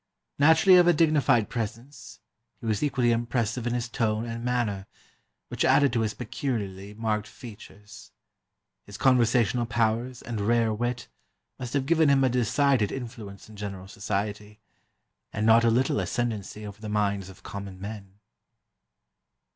Naturally of a dignified presence, he was equally impressive in his tone and manner, which added to his peculiarly marked features; his conversational powers and rare wit must have given him a decided influence in general society, and not a little ascendency over the minds of common men."